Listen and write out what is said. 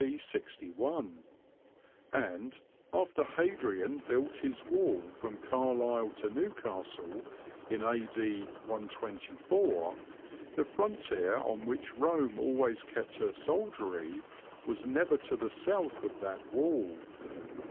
D. 61; and, after Hadrian built his wall from Carlisle to Newcastle in A.D. 124, the frontier, on which Rome always kept her soldiery, was never to the south of that wall.